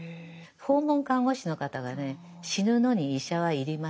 訪問看護師の方がね死ぬのに医者は要りません。